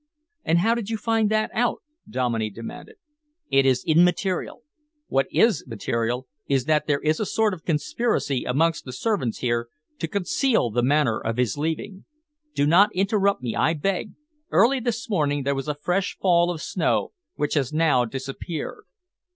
"And how did you find that out?" Dominey demanded. "It is immaterial! What is material is that there is a sort of conspiracy amongst the servants here to conceal the manner of his leaving. Do not interrupt me, I beg! Early this morning there was a fresh fall of snow which has now disappeared.